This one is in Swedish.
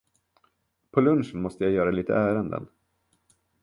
På lunchen måste jag göra lite ärenden.